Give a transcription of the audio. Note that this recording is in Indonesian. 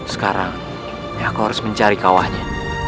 sekarang aku harus mencari kawahnya